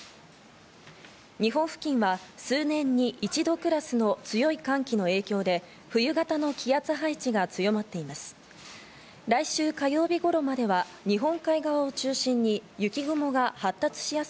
日本付近は数年に一度クラスの強い寒気の影響で、冬型の気圧配置が強まっています。